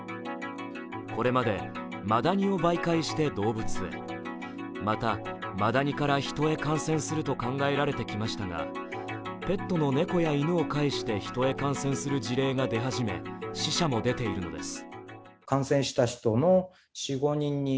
これまでマダニを媒介して動物へ、また、マダニからヒトへ感染すると考えられてきましたが、ペットの猫や犬を介してヒトへ感染する事例が出始め、死者も出ているのです。